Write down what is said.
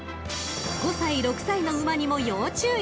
［５歳６歳の馬にも要注意］